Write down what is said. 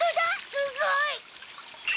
すごい！